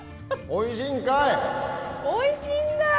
おいしいんだ？